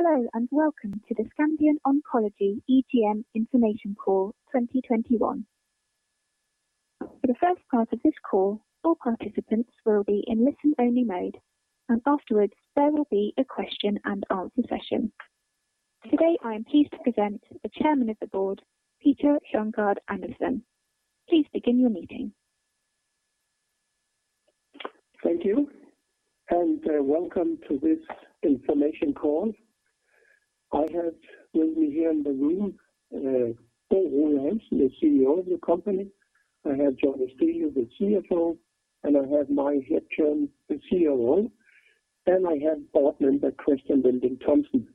Hello, and welcome to the Scandion Oncology EGM Information Call 2021. For the first part of this call, all participants will be in listen-only mode, and afterwards, there will be a question and answer session. Today, I am pleased to present the Chairman of the Board, Peter Høngaard Andersen. Please begin your meeting. Thank you. Welcome to this information call. I have with me here in the room, Bo Rode Hansen, the CEO of the company. I have Johnny Stilou, the CFO, and I have Maj Hedtjärn, the COO, and I have board member Christian Vinding Thomsen,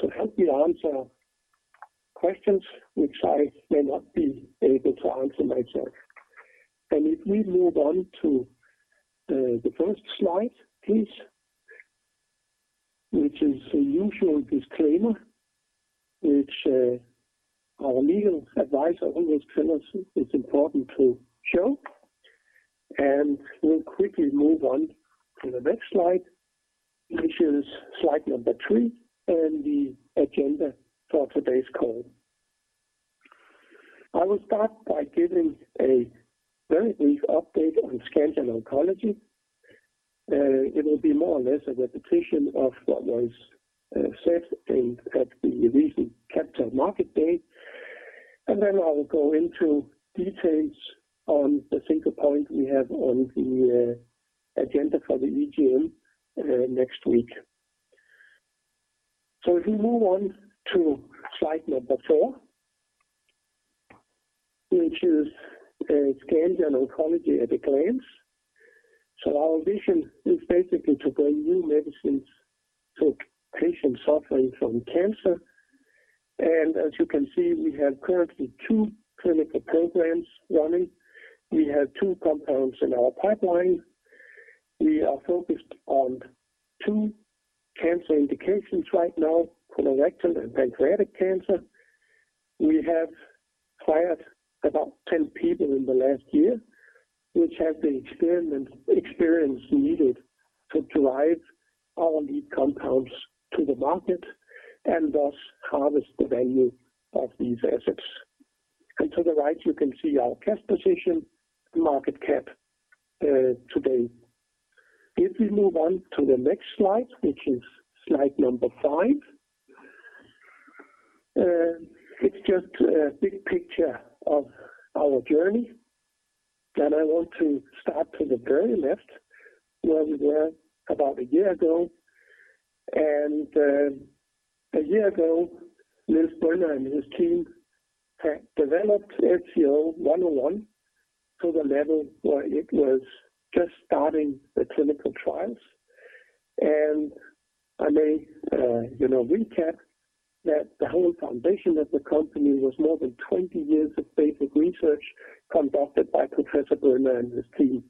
to help me answer questions which I may not be able to answer myself. If we move on to the first slide, please, which is the usual disclaimer, which our legal advisor always tell us it's important to show. We'll quickly move on to the next slide, which is slide number three, and the agenda for today's call. I will start by giving a very brief update on Scandion Oncology. It will be more or less a repetition of what was said at the recent Capital Markets Day. I will go into details on the single point we have on the agenda for the EGM next week. If we move on to slide four, which is Scandion Oncology at a glance. Our vision is basically to bring new medicines to patients suffering from cancer. As you can see, we have currently two clinical programs running. We have two compounds in our pipeline. We are focused on two cancer indications right now, colorectal and pancreatic cancer. We have hired about 10 people in the last year, which have the experience needed to drive all of these compounds to the market and thus harvest the value of these assets. To the right, you can see our cash position, market cap today. If we move on to the next slide, which is slide five, it's just a big picture of our journey. I want to start to the very left, where we were about a year ago. A year ago, Nils Brünner and his team had developed SCO-101 to the level where it was just starting the clinical trials. I may recap that the whole foundation of the company was more than 20 years of basic research conducted by Professor Brünner and his team.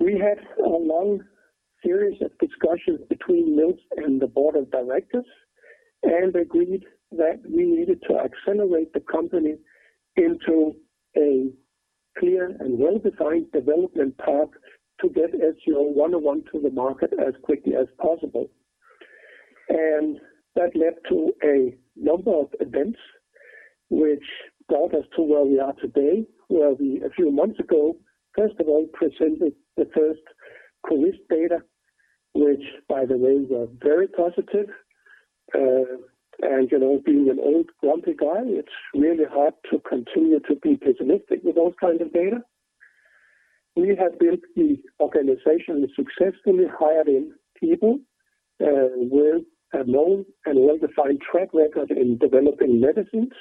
We had a long series of discussions between Nils and the board of directors and agreed that we needed to accelerate the company into a clear and well-defined development path to get SCO-101 to the market as quickly as possible. That led to a number of events which brought us to where we are today, where we, a few months ago, first of all, presented the first CORIST data, which, by the way, were very positive. Being an old grumpy guy, it's really hard to continue to be pessimistic with those kinds of data. We have built the organization and successfully hired in people with a known and well-defined track record in developing medicines.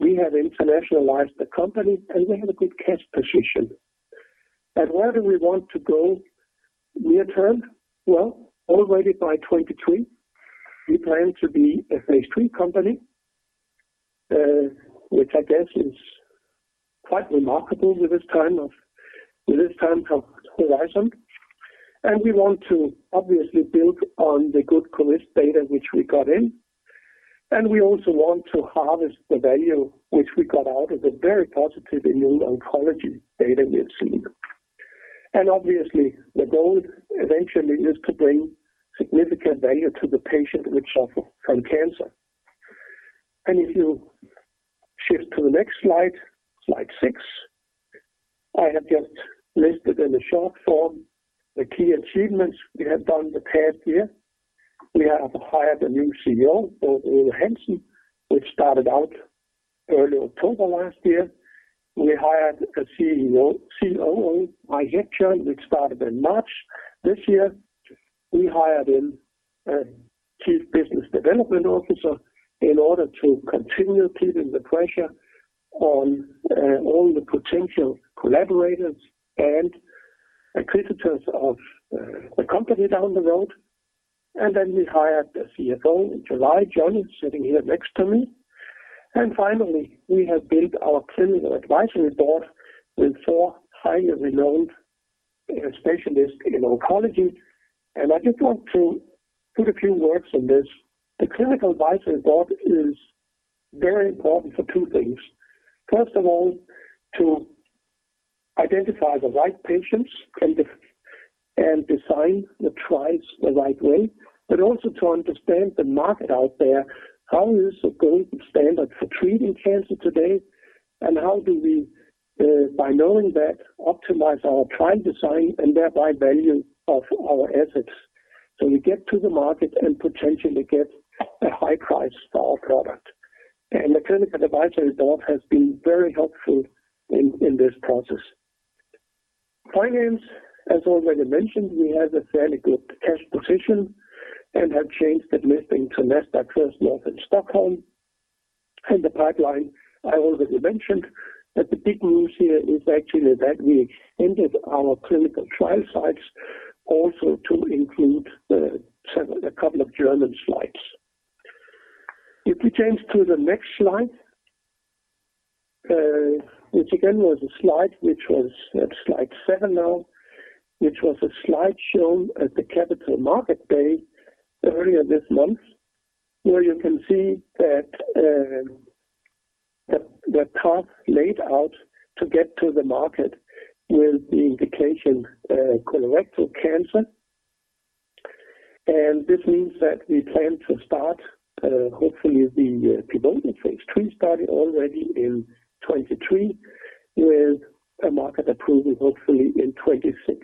We have internationalized the company, and we have a good cash position. Where do we want to go near-term? Well, already by 2023, we plan to be a phase III company, which I guess is quite remarkable with this time horizon. We want to obviously build on the good CORIST data which we got in. We also want to harvest the value which we got out of the very positive immuno-oncology data we have seen. Obviously, the goal eventually is to bring significant value to the patient which suffer from cancer. If you shift to the next slide six, I have just listed in a short form the key achievements we have done in the past year. We have hired a new CEO, Bo Rode Hansen, which started out early October last year. We hired a COO, Maj Hedtjärn, which started in March this year. We hired in a chief business development officer in order to continue keeping the pressure on all the potential collaborators and acquisitions of the company down the road. We hired a CFO in July, Johnny, sitting here next to me. Finally, we have built our clinical advisory board with four highly renowned specialists in oncology. I just want to put a few words on this. The clinical advisory board is very important for two things. First of all, to identify the right patients and design the trials the right way, but also to understand the market out there. How is the gold standard for treating cancer today, and how do we, by knowing that, optimize our trial design and thereby value of our assets so we get to the market and potentially get a high price for our product? The clinical advisory board has been very helpful in this process. Finance, as already mentioned, we have a fairly good cash position and have changed the listing to Nasdaq First North in Stockholm. The pipeline, I already mentioned, but the big news here is actually that we entered our clinical trial sites also to include a couple of German sites. If we change to the next slide, which again was a slide, which was slide seven now, which was a slide shown at the Capital Markets Day earlier this month, where you can see the path laid out to get to the market with the indication colorectal cancer. This means that we plan to start, hopefully, the pivotal phase III study already in 2023, with a market approval hopefully in 2026.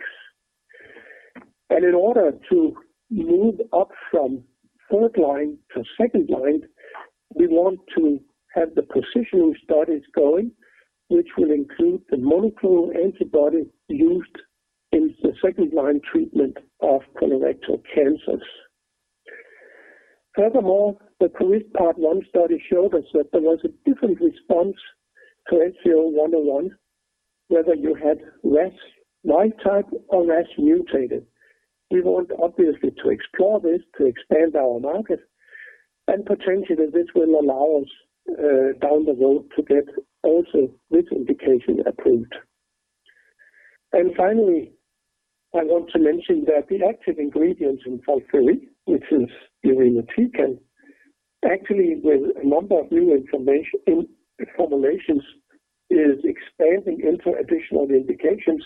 In order to move up from third line to second line, we want to have the positioning studies going, which will include the monoclonal antibody used in the second-line treatment of colorectal cancers. Furthermore, the CORIST part one study showed us that there was a different response to SCO-101, whether you had RAS wild-type or RAS mutated. We want obviously to explore this to expand our market, and potentially this will allow us down the road to get also this indication approved. Finally, I want to mention that the active ingredient in FOLFIRI, which is irinotecan, actually with a number of new formulations, is expanding into additional indications.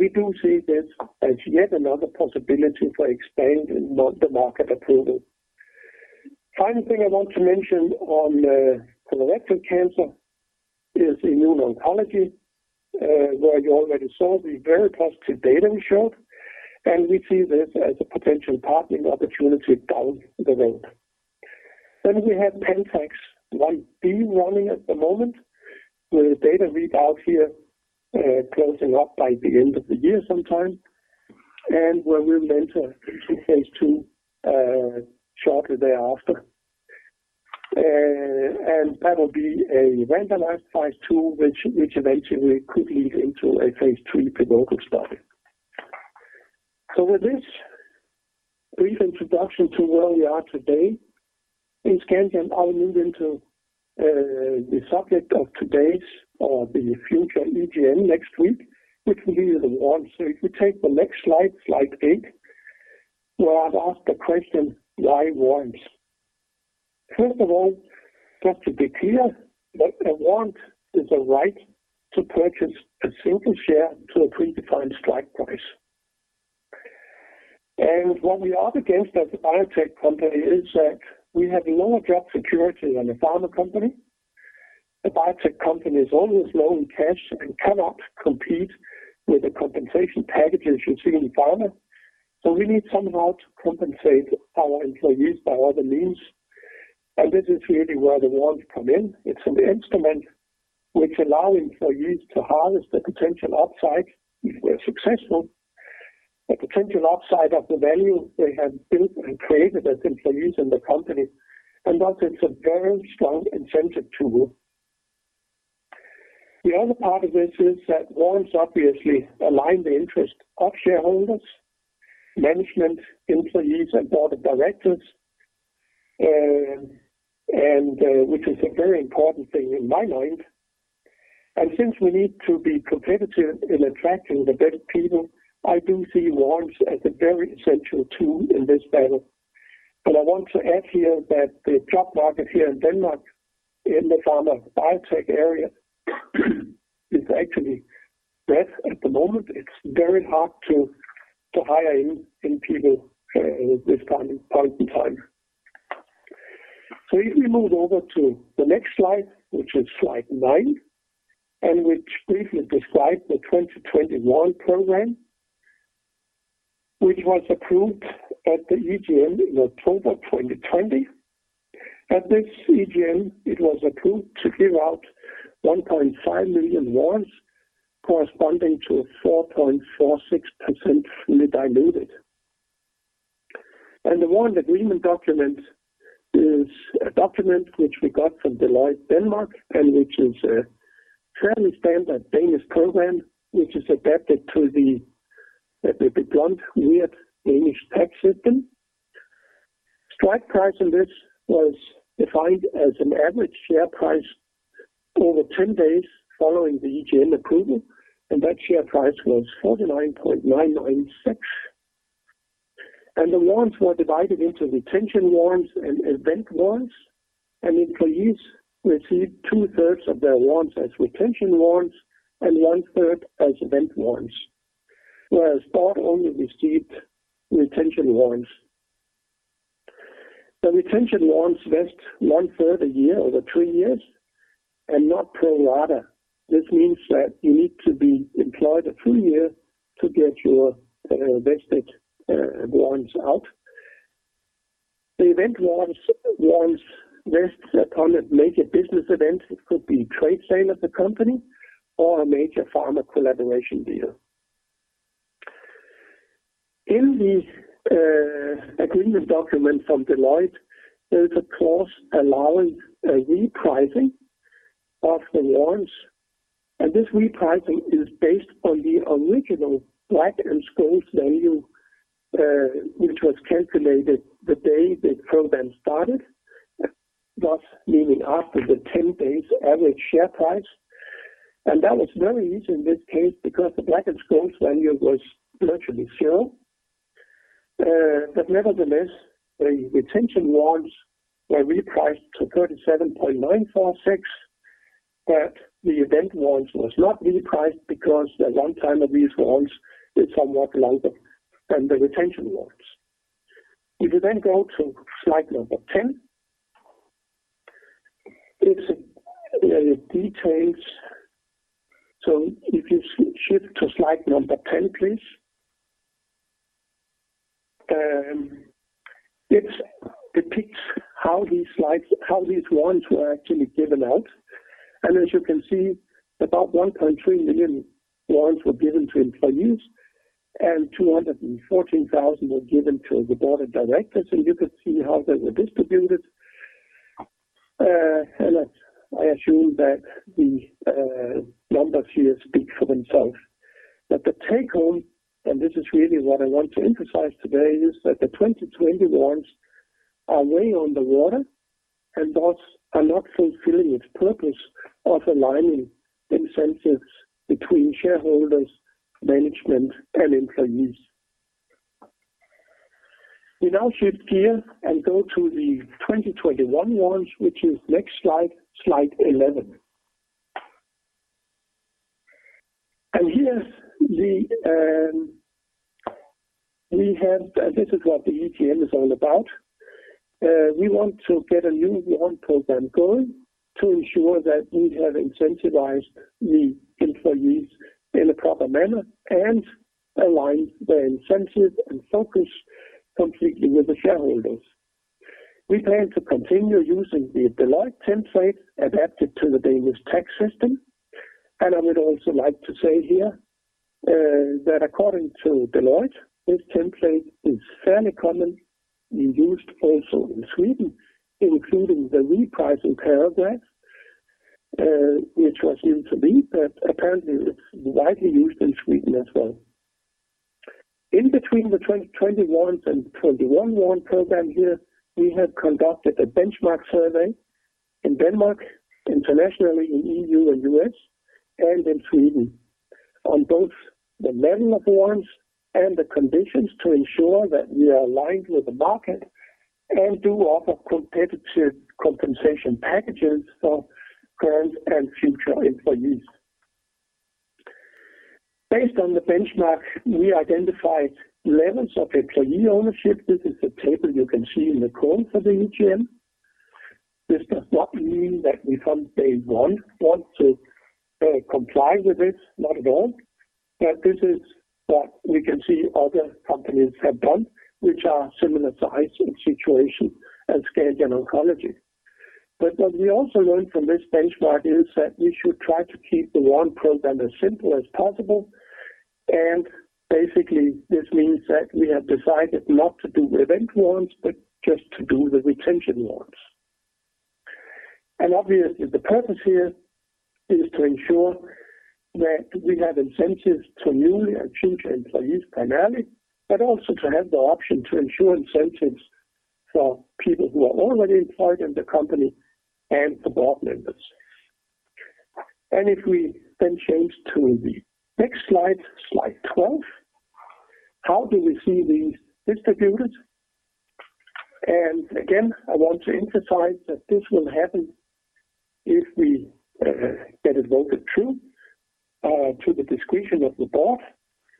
We do see this as yet another possibility for expanding the market approval. Final thing I want to mention on colorectal cancer is immuno-oncology, where you already saw the very positive data we showed, and we see this as a potential partnering opportunity down the road. We have PANTAX Ib running at the moment, with data readout here closing up by the end of the year sometime, and where we went to phase II shortly thereafter. That will be a randomized phase II, which eventually could lead into a phase III pivotal study. With this brief introduction to where we are today in Scandion, I will move into the subject of today's or the future EGM next week, which will be the warrants. If you take the next slide eight, where I've asked the question, why warrants? First of all, just to be clear, a warrant is a right to purchase a single share to a predefined strike price. What we are up against as a biotech company is that we have lower job security than a pharma company. A biotech company is always low in cash and cannot compete with the compensation packages you see in pharma. We need somehow to compensate our employees by other means, and this is really where the warrants come in. It's an instrument which allow employees to harness the potential upside if we're successful, the potential upside of the value they have built and created as employees in the company, and thus it's a very strong incentive tool. The other part of this is that warrants obviously align the interest of shareholders, management, employees, and Board of Directors, and which is a very important thing in my mind. Since we need to be competitive in attracting the best people, I do see warrants as a very essential tool in this battle. I want to add here that the job market here in Denmark in the pharma biotech area is actually best at the moment. It's very hard to hire in people this current point in time. If we move over to the next slide, which is slide nine, and which briefly describe the 2021 program, which was approved at the EGM in October 2020. At this EGM, it was approved to give out 1.5 million warrants corresponding to 4.46% fully diluted. The warrant agreement document is a document which we got from Deloitte Denmark and which is a fairly standard Danish program which is adapted to the blunt, weird Danish tax system. Strike price on this was defined as an average share price over 10 days following the EGM approval, and that share price was 49.996. The warrants were divided into retention warrants and event warrants, and employees received two-thirds of their warrants as retention warrants and one-third as event warrants. Whereas Board only received retention warrants. The retention warrants vest one-third a year over three years and not pro rata. This means that you need to be employed a full year to get your vested warrants out. The event warrants vests upon a major business event. It could be trade sale of the company or a major pharma collaboration deal. In the agreement document from Deloitte, there is a clause allowing a repricing of the warrants. This repricing is based on the original Black-Scholes value, which was calculated the day the program started, thus meaning after the 10 days average share price. That was very easy in this case because the Black-Scholes value was virtually zero. Nevertheless, the retention warrants were repriced to 37.946. The event warrants was not repriced because the runtime of these warrants is somewhat longer than the retention warrants. Go to slide number 10. It's the details. Shift to slide number 10, please. It depicts how these warrants were actually given out. As you can see, about 1.3 million warrants were given to employees, 214,000 were given to the board of directors, you can see how they were distributed. I assume that the numbers here speak for themselves. The take home, and this is really what I want to emphasize today, is that the 2020 warrants are way under water, and thus are not fulfilling its purpose of aligning incentives between shareholders, management, and employees. We now shift gear and go to the 2021 warrants, which is next slide 11. This is what the EGM is all about. We want to get a new warrant program going to ensure that we have incentivized the employees in a proper manner and align their incentives and focus completely with the shareholders. We plan to continue using the Deloitte template adapted to the Danish tax system. I would also like to say here that according to Deloitte, this template is fairly common and used also in Sweden, including the repricing paragraph, which was new to me, but apparently it's widely used in Sweden as well. In between the 2020 warrants and 2021 warrant program here, we have conducted a benchmark survey in Denmark, internationally in EU and U.S., and in Sweden on both the level of warrants and the conditions to ensure that we are aligned with the market and do offer competitive compensation packages for current and future employees. Based on the benchmark, we identified levels of employee ownership. This is the table you can see in the call for the EGM. This does not mean that we from day one want to comply with this, not at all. This is what we can see other companies have done which are similar size and situation as Scandion Oncology. What we also learned from this benchmark is that we should try to keep the warrant program as simple as possible. Basically, this means that we have decided not to do event warrants, but just to do the retention warrants. Obviously, the purpose here is to ensure that we have incentives to newly and future employees primarily, but also to have the option to ensure incentives for people who are already employed in the company and the board members. If we change to the next slide 12. How do we see these distributed? Again, I want to emphasize that this will happen if we get it voted through to the discretion of the board.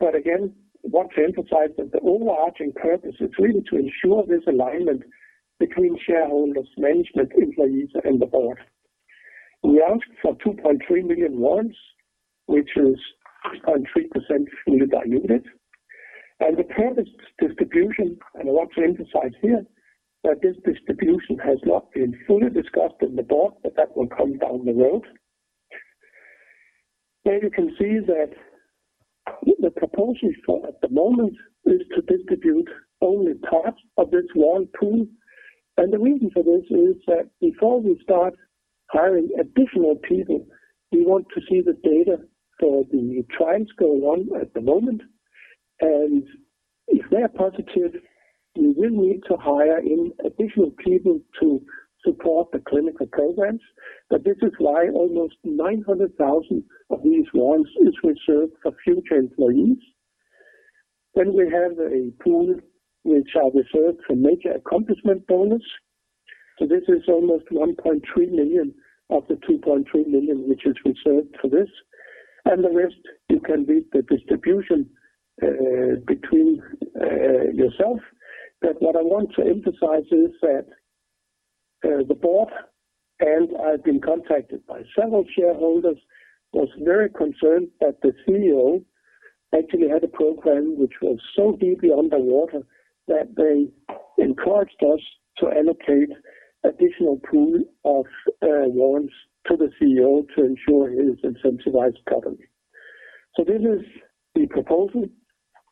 Again, I want to emphasize that the overarching purpose is really to ensure this alignment between shareholders, management, employees, and the board. We asked for 2.3 million warrants, which is 2.3% fully diluted. The proposed distribution, I want to emphasize here that this distribution has not been fully discussed in the board, that will come down the road. There you can see that the proposal at the moment is to distribute only part of this warrant pool. The reason for this is that before we start hiring additional people, we want to see the data for the new trials going on at the moment. If they are positive, we will need to hire in additional people to support the clinical programs. This is why almost 900,000 of these warrants is reserved for future employees. We have a pool which are reserved for major accomplishment bonus. This is almost 1.3 million of the 2.3 million, which is reserved for this. The rest, you can read the distribution between yourself. What I want to emphasize is that the Board, and I've been contacted by several shareholders, was very concerned that the CEO actually had a program which was so deeply underwater that they encouraged us to allocate additional pool of warrants to the CEO to ensure his incentivized properly. This is the proposal,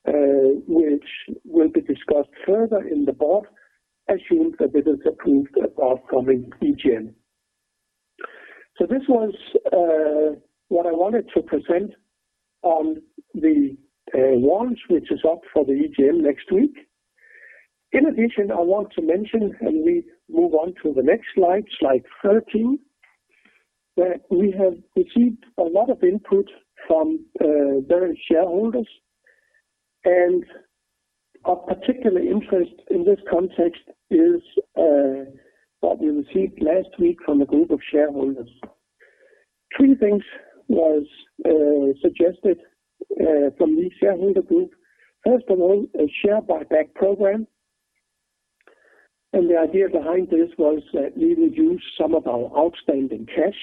which will be discussed further in the Board, assuming that it is approved at our coming EGM. This was what I wanted to present on the warrants, which is up for the EGM next week. In addition, I want to mention, we move on to the next slide 13, that we have received a lot of input from various shareholders. Of particular interest in this context is what we received last week from a group of shareholders. Three things was suggested from the shareholder group. First of all, a share buyback program. The idea behind this was that we will use some of our outstanding cash.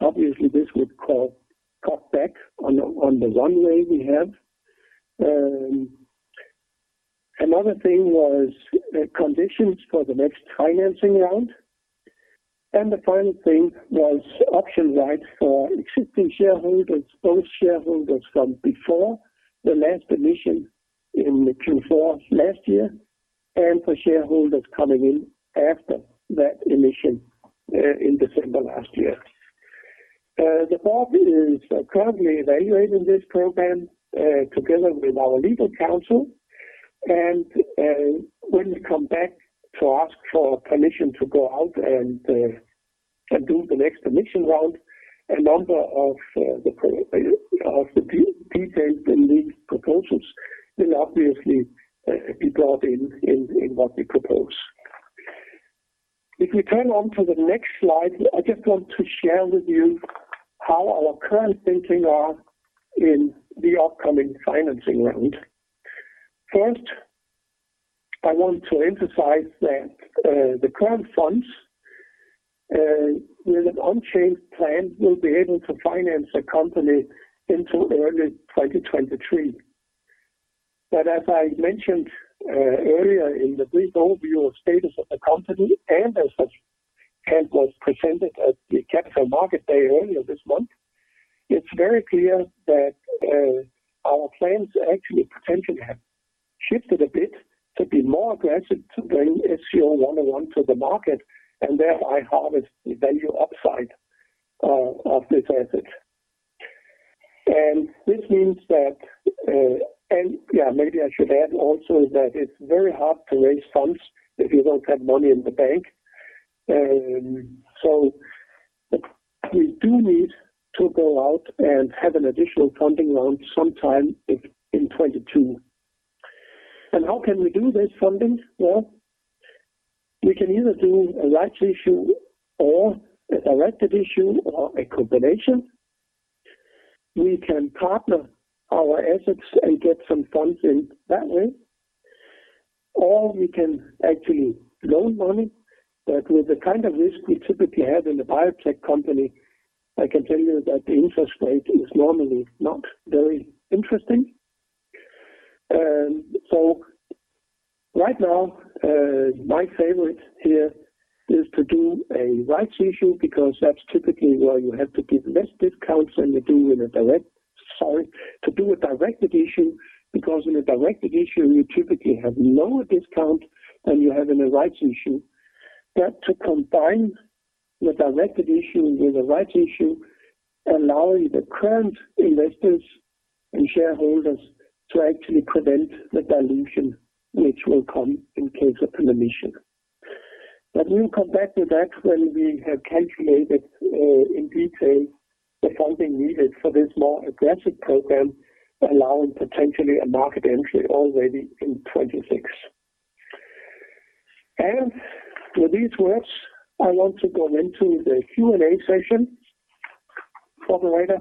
Obviously, this would cut back on the runway we have. Another thing was the conditions for the next financing round. The final thing was option rights for existing shareholders, both shareholders from before the last emission in the Q4 last year, and for shareholders coming in after that emission in December last year. The board is currently evaluating this program together with our legal counsel, and when we come back to ask for permission to go out and do the next emission round, a number of the details in these proposals will obviously be brought in what we propose. If we turn on to the next slide, I just want to share with you how our current thinking are in the upcoming financing round. First, I want to emphasize that the current funds with an unchanged plan will be able to finance the company until early 2023. As I mentioned earlier in the brief overview of status of the company and as was presented at the Capital Markets Day earlier this month, it's very clear that our plans actually potentially have shifted a bit to be more aggressive to bring SCO-101 to the market and thereby harvest the value upside of this asset. This means that maybe I should add that it's very hard to raise funds if you don't have money in the bank. We do need to go out and have an additional funding round sometime in 2022. How can we do this funding? Well, we can either do a rights issue or a directed issue or a combination. We can partner our assets and get some funds in that way. We can actually loan money, but with the kind of risk we typically have in a biotech company, I can tell you that the interest rate is normally not very interesting. Right now, my favorite here is to do a rights issue because that's typically where you have to give less discounts than you do in a directed issue, because in a directed issue, you typically have lower discount than you have in a rights issue. To combine the directed issue with a rights issue, allowing the current investors and shareholders to actually prevent the dilution which will come in case of an emission. We will come back with that when we have calculated in detail the funding needed for this more aggressive program, allowing potentially a market entry already in 2026. With these words, I want to go into the Q&A session. Operator.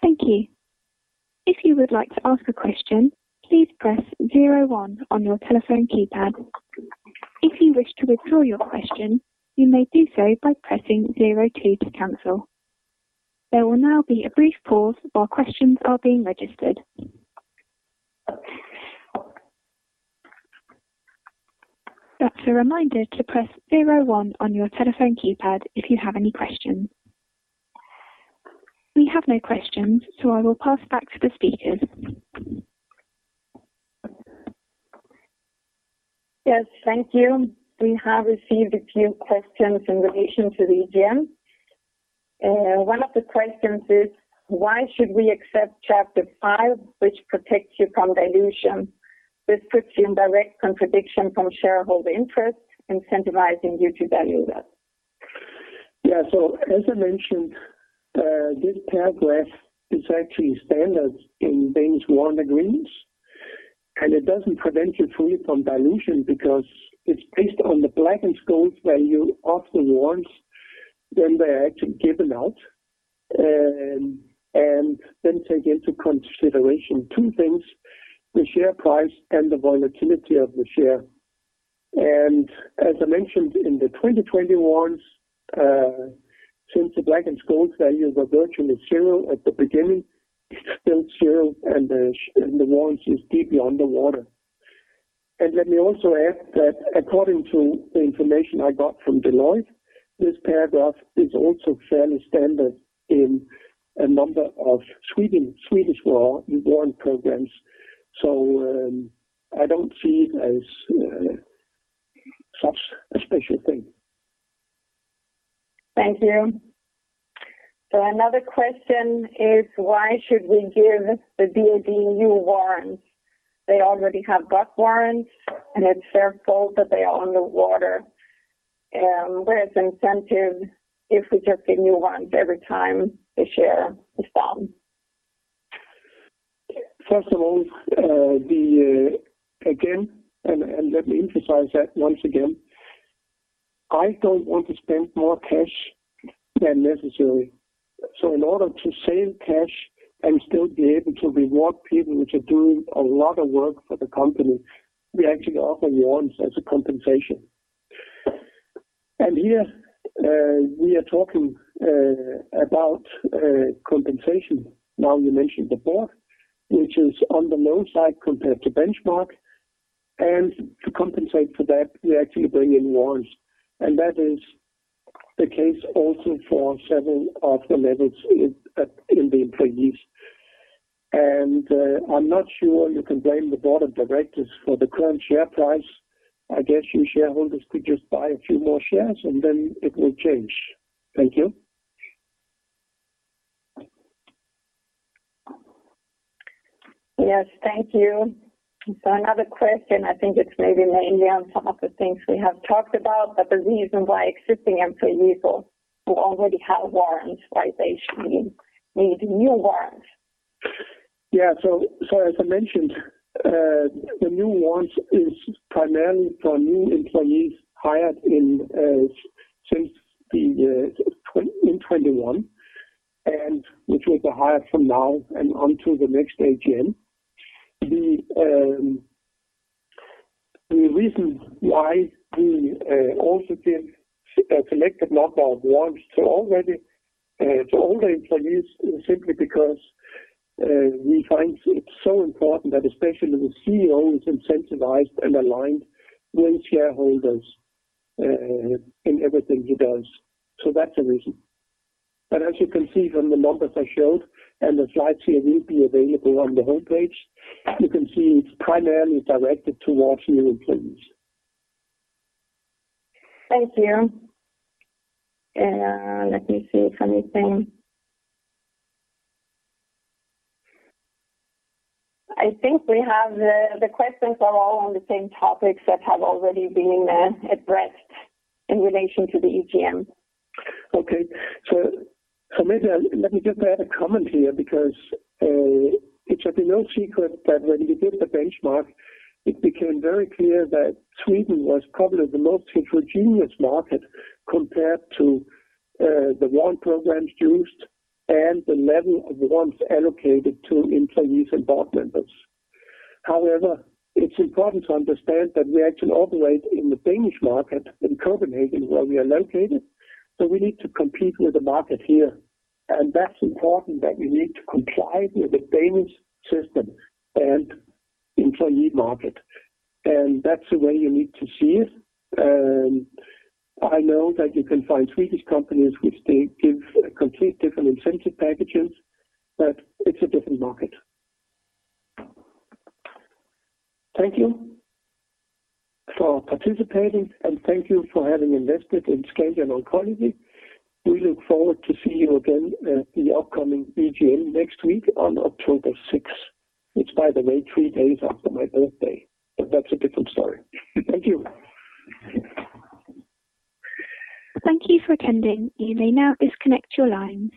Thank you. If you would like to ask a question, please press 01 on your telephone keypad. If you wish to withdraw your question, you may do so by pressing 02 to cancel. There will now be a brief pause while questions are being registered. Just a reminder to press 01 on your telephone keypad if you have any questions. We have no questions, I will pass back to the speakers. Yes. Thank you. We have received a few questions in relation to the EGM. One of the questions is, why should we accept Chapter Five, which protects you from dilution? This puts you in direct contradiction from shareholder interest, incentivizing you to value that. As I mentioned, this paragraph is actually standard in Danish warrant agreements, and it doesn't prevent you fully from dilution because it's based on the Black-Scholes value of the warrants when they're actually given out, and then take into consideration two things, the share price and the volatility of the share. As I mentioned in the 2020 warrants, since the Black-Scholes values are virtually 0 at the beginning, it's still zero and the warrant is deeply underwater. Let me also add that according to the information I got from Deloitte, this paragraph is also fairly standard in a number of Swedish warrant programs. I don't see it as such a special thing. Thank you. Another question is why should we give the BOD new warrants? They already have got warrants, and it's their fault that they are underwater. Where is the incentive if we just give new warrants every time the share is down? First of all, again, and let me emphasize that once again, I don't want to spend more cash than necessary. In order to save cash and still be able to reward people which are doing a lot of work for the company, we actually offer warrants as a compensation. Here, we are talking about compensation, now you mentioned the board, which is on the low side compared to benchmark. To compensate for that, we actually bring in warrants. That is the case also for several of the levels in the employees. I'm not sure you can blame the board of directors for the current share price. I guess you shareholders could just buy a few more shares, and then it will change. Thank you. Yes. Thank you. Another question, I think it is maybe mainly on some of the things we have talked about, but the reason why existing employees who already have warrants, why they should need new warrants? As I mentioned, the new warrants is primarily for new employees hired in 2021, and which will be hired from now and until the next AGM. The reason why we also give a selected number of warrants to older employees is simply because we find it so important that especially the CEO is incentivized and aligned with shareholders in everything he does. That's the reason. As you can see from the numbers I showed, and the slides here will be available on the homepage, you can see it's primarily directed towards new employees. Thank you. Let me see if anything. I think the questions are all on the same topics that have already been addressed in relation to the EGM. Okay. Maybe let me just add a comment here because it should be no secret that when we did the benchmark, it became very clear that Sweden was probably the most heterogeneous market compared to the warrant programs used and the level of warrants allocated to employees and board members. However, it's important to understand that we actually operate in the Danish market in Copenhagen, where we are located. We need to compete with the market here, and that's important that we need to comply with the Danish system and employee market. That's the way you need to see it. I know that you can find Swedish companies which they give a complete different incentive packages, but it's a different market. Thank you for participating, and thank you for having invested in Scandion Oncology. We look forward to seeing you again at the upcoming EGM next week on October sixth. Which by the way, three days after my birthday, but that's a different story. Thank you. Thank you for attending. You may now disconnect your lines.